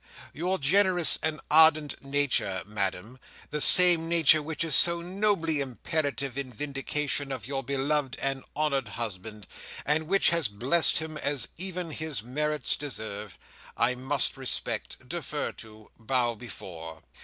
Your generous and ardent nature, Madam—the same nature which is so nobly imperative in vindication of your beloved and honoured husband, and which has blessed him as even his merits deserve—I must respect, defer to, bow before.